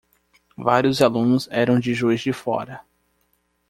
Vários alunos eram de Juíz de Fora.